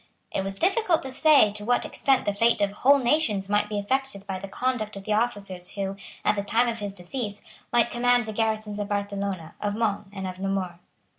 It was difficult to say to what extent the fate of whole nations might be affected by the conduct of the officers who, at the time of his decease, might command the garrisons of Barcelona, of Mons, and of Namur.